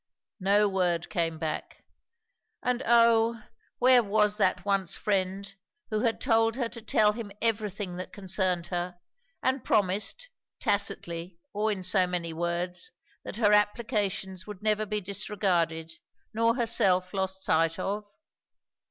No word came back. And oh, where was that once friend, who had told her to tell him everything that concerned her, and promised, tacitly or in so many words, that her applications would never be disregarded nor herself lost sight of?